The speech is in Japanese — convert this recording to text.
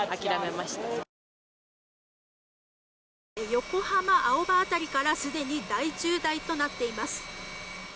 横浜青葉辺りからすでに大渋滞となっています。